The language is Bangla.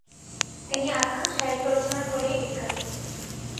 তিনি আখ্যান সাহিত্য রচনার ফলেই বিখ্যাত।